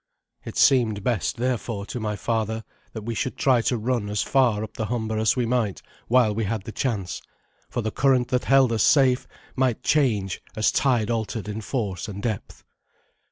It seemed best, therefore, to my father that we should try to run as far up the Humber as we might while we had the chance, for the current that held us safe might change as tide altered in force and depth.